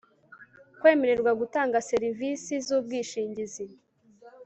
kwemererwa gutanga serivisi z ubwishingizi